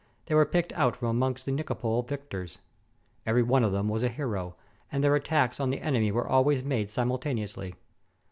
They were picked out from amongst the Nicapol victors. Every one of them was a hero, and their attacks on the enemy were always made simultaneously.